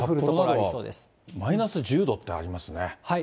札幌などはマイナス１０度ってありますね。